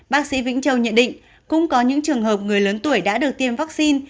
bác sĩ vĩnh châu nhận định cũng có những trường hợp người lớn tuổi đã được tiêm vaccine